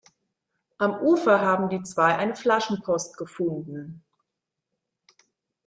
Am Ufer haben die zwei eine Flaschenpost gefunden.